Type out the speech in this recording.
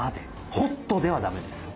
ホットではダメです。